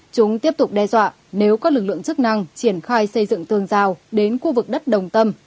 chúng tiếp tục đe dọa nếu các lực lượng chức năng triển khai xây dựng tường rào đến khu vực đất đồng tâm